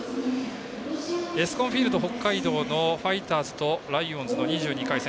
エスコンフィールド北海道のファイターズとライオンズの２２回戦。